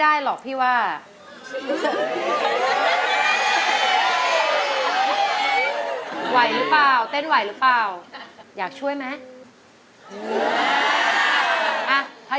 ใบเตยเลือกใช้ได้๓แผ่นป้ายตลอดทั้งการแข่งขัน